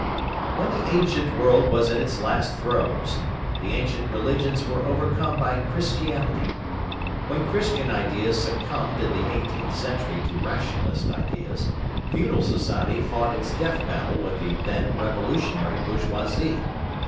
When the ancient world was in its last throes, the ancient religions were overcome by Christianity. When Christian ideas succumbed in the 18th century to rationalist ideas, feudal society fought its death battle with the then revolutionary bourgeoisie.